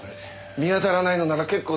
見当たらないのなら結構ですよ。